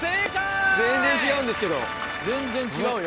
・全然違うんですけど・全然違うよ。